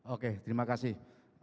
oke terima kasih